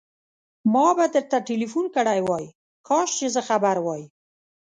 ما به درته ټليفون کړی وای، کاش چې زه خبر وای.